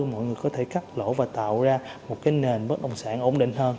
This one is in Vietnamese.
mọi người có thể cắt lỗ và tạo ra một cái nền bất động sản ổn định hơn